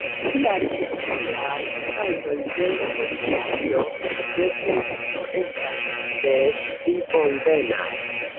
Tial iafojaj okazoj de forigado de teksto estas des pli bonvenaj.